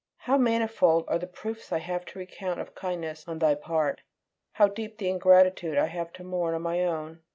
How manifold are the proofs I have to recount of kindness on thy part! how deep the ingratitude I have to mourn on my own!